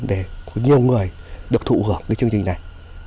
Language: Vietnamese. để nhiều người được thụ hưởng cái chương trình này